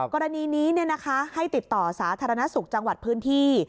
กรณีนี้ให้ติดต่อสาธารณสุขจังหวัดพื้นที่